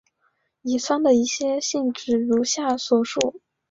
乙酸的一些性质如下所述。